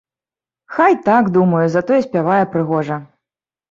Хай так, думаю, затое спявае прыгожа.